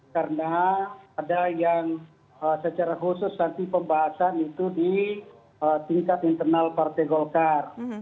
karena ada yang secara khusus nanti pembahasan itu di tingkat internal partai golkar